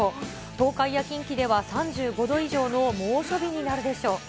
東海や近畿では３５度以上の猛暑日になるでしょう。